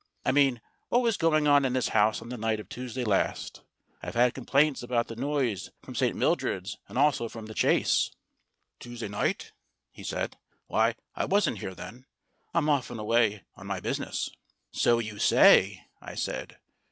I mean, what was going on in this house on the night of Tuesday last? I've had complaints about the noise from St. Mildred's and also from The Chase." 138 STORIES WITHOUT TEARS "Tuesday night?" he said. "Why, I wasn't here then. I'm often away on my business." "So you say," I said.